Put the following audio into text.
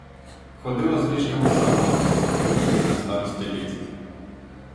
Ходила з ріжками замолоду, ходитиму й на старості літ.